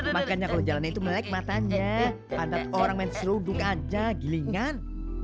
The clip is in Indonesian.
makanya kalau jalannya itu melek matanya ada orang main seruduk aja gilingan